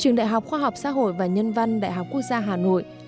trường đại học khoa học xã hội và nhân văn đại học quốc gia hà nội